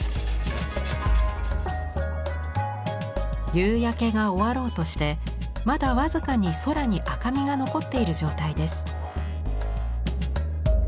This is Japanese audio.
夕焼けが終わろうとしてまだ僅かに空に赤みが残っている状態です。